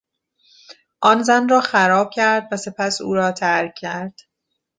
آن زن را خراب کرد و سپس او را ترک کرد.